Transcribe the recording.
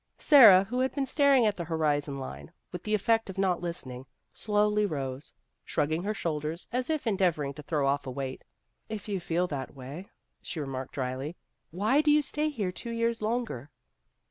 " Sara, who had been staring at the horizon line with the effect of not listening, slowly rose, shrugging her shoulders as if en deavoring to throw off a weight. "If you feel that way," she remarked dryly, " why do you stay here two years longer